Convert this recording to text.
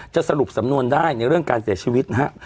สรุปสำนวนได้ในเรื่องการเสียชีวิตนะฮะ